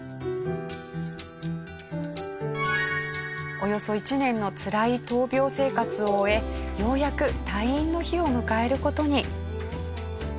およそ１年のつらい闘病生活を終えようやく退院の日を迎える事に。